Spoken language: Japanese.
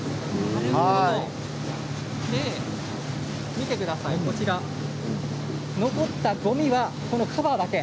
見てください、こちら残ったごみは、このカバーだけ。